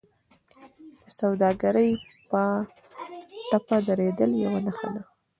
د سوداګرۍ په ټپه درېدل یوه نښه ده